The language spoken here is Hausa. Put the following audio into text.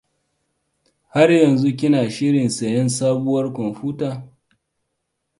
Har yanzu kina shirin sayen sabuwar kwamfuta?